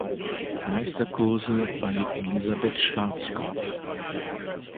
Meisterkurse bei Elisabeth Schwarzkopf.